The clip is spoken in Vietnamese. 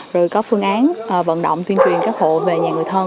rồi có phương án vận động tuyên truyền các hộ về nhà người thân